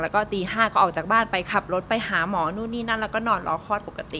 แล้วก็ตี๕ก็ออกจากบ้านไปขับรถไปหาหมอนู่นนี่นั่นแล้วก็นอนรอคลอดปกติ